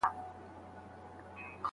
استاد د تدریس او څېړني ترمنځ انډول ساتي.